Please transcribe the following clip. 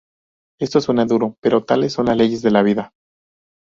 Esto suena duro, pero tales son las leyes de la vida.